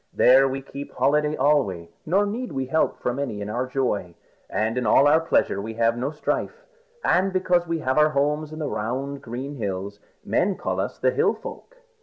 There we keep holiday alway, nor need we help from any in our joy. And in all our pleasure we have no strife. And because we have our homes in the round green hills, men call us the Hill Folk."